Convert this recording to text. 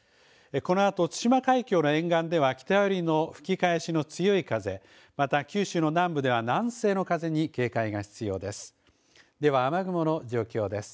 このあと対馬海峡の沿岸では北寄りの吹き返しの強い風、また九州の南部では南西の風に警戒が必要です。